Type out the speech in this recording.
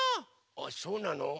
あそうなの？